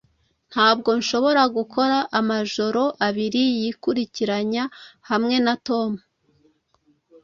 Ntabwo nshobora gukora amajoro abiri yikurikiranya hamwe na Tom.